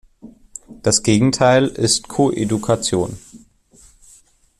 Das Gegenteil ist Koedukation.